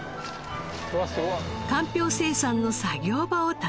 かんぴょう生産の作業場を訪ねました。